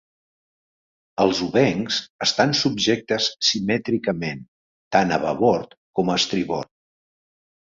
Els obencs estan subjectes simètricament tant a babord com a estribord.